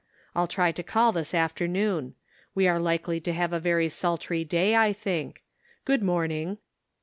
I'll try to call this afternoon. We are likely to have a very sultry day, I think. Good morning."